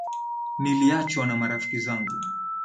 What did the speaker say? Niliachwa na marafiki zangu.